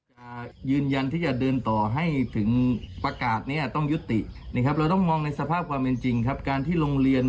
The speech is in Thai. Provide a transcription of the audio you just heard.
มันเป็นปัญหากับทุกโรงเรียน